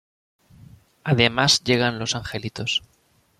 Además llegan los Angelitos.